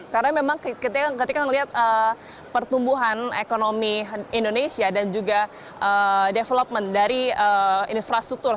karena memang ketika melihat pertumbuhan ekonomi indonesia dan juga development dari infrastruktur